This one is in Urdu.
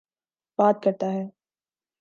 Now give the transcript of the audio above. بات کرتا ہے۔